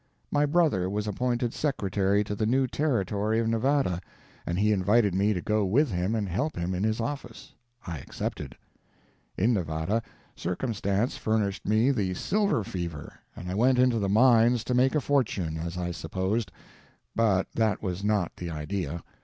My brother was appointed secretary to the new Territory of Nevada, and he invited me to go with him and help him in his office. I accepted. In Nevada, Circumstance furnished me the silver fever and I went into the mines to make a fortune, as I supposed; but that was not the idea.